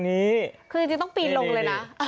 ปีนลงอ่ะ